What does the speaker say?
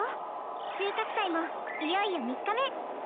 収穫祭もいよいよ３日目！